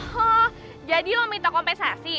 ho jadi lo minta kompensasi